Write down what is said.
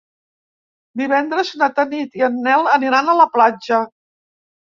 Divendres na Tanit i en Nel aniran a la platja.